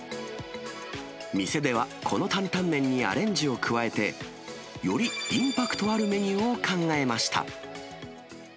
店では、この担担麺にアレンジを加えて、よりインパクトあるメニューを考えました。